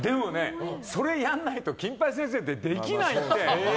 それやらないと「金八先生」ってできないって。